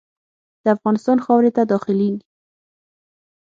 د افغانستان خاورې ته داخلیږي.